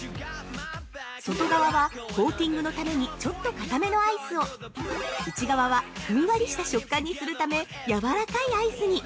◆外側はコーティングのためにちょっと硬めのアイスを、内側はふんわりとした食感にするためやわらかいアイスに！